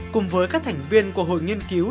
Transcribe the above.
cùng với các thành viên của hội nghiên cứu